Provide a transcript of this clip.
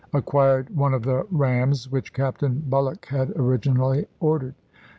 acquired one of the rams which Captain Bulloch had originally ordered.